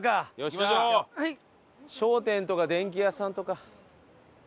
商店とか電気屋さんとか。